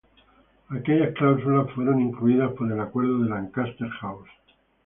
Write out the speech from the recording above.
Aquellas cláusulas fueron incluidas por el Acuerdo de Lancaster House.